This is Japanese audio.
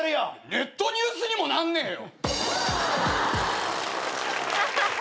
ネットニュースにもなんねえよ。